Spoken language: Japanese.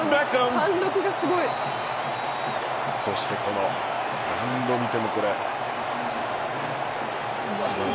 そして何度見ても。